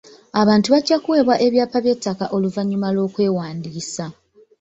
Abantu bajja kuweebwa ebyapa by'ettaka oluvannyuma lw'okwewandiisa.